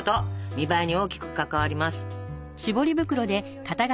見栄えに大きく関わります！